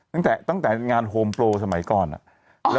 ตั้งแต่ตั้งแต่งานโฮมโปรสมัยก่อนอะ